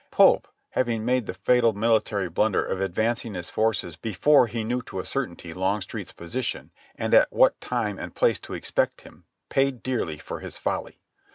Pope having made the fatal military blunder of advancing his forces before he knew to a certainty Longstreet's position and at what time and place to expect him, paid dearly for his folly.